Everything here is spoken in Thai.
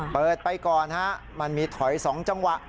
เปิดไปก่อนฮะมันมีถอย๒จังหวะ